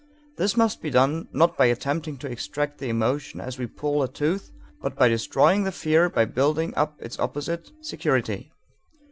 This must be done not by attempting to extract the emotion as we pull a tooth but by destroying the fear by building up its opposite, security.